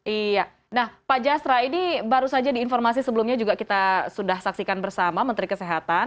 iya nah pak jasra ini baru saja di informasi sebelumnya juga kita sudah saksikan bersama menteri kesehatan